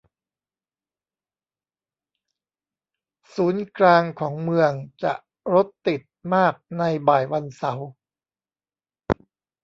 ศูนย์กลางของเมืองจะรถติดมากในบ่ายวันเสาร์